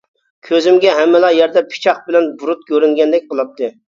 كۆزۈمگە ھەممىلا يەردە پىچاق بىلەن بۇرۇت كۆرۈنگەندەك قىلاتتى.